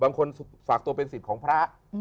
บางคนฝากตัวเป็นสิทธิ์ของพระ